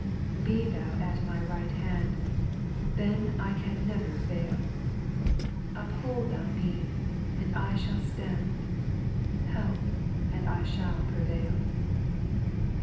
2. Be thou at my right hand, Then can I never fail ; Uphold Thou me, and I shall stand* Help, and I shall prevail.